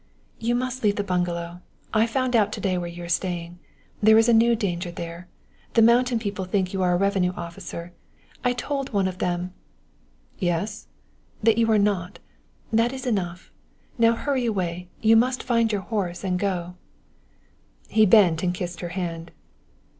"You must leave the bungalow I found out to day where you are staying. There is a new danger there the mountain people think you are a revenue officer. I told one of them " "Yes?" " that you are not! That is enough. Now hurry away. You must find your horse and go." He bent and kissed her hand.